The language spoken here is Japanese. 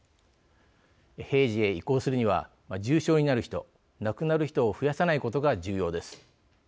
平時へ移行するには重症になる人、亡くなる人を増やさないことが重要です。